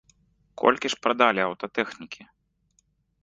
Колькі ж прадалі аўтатэхнікі?